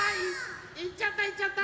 いっちゃったいっちゃった。